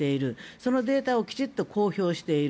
そのデータをきちんと公表している。